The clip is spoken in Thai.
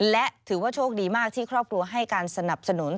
และถือว่าโชคดีมากที่ครอบครัวให้การสนับสนุน